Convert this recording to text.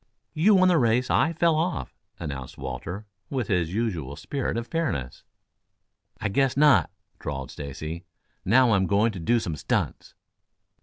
"You won the race. I fell off," announced Walter, with his usual spirit of fairness. "I guess not," drawled Stacy. "Now I'm going to do some stunts."